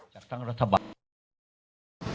ใช่